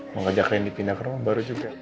mau ngajak randy pindah ke rumah baru juga